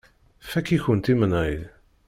Fakk-ikent imenɣi.